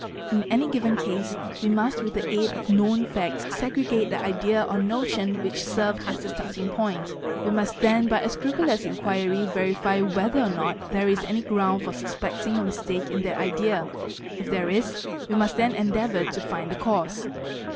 In any given case we must wit, the aid of known facts segregate the idea or notion which served as starting point; we must then by a scrupulous inquiry verify whether ¢ not there is any ground for suspecting a mistake in that idea; if there, PERCEPTION 63 is, we must then endeavour to find the cause.